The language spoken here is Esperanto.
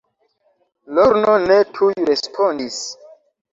Lorno ne tuj respondis.